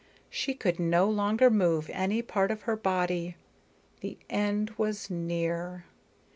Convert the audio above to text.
She could no longer move any part of her body. The end was near.